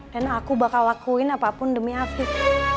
dan aku bakal lakuin apapun demi afif